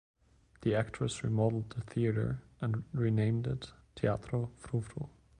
The actress remodeled the theater and renamed it "Teatro Fru Fru".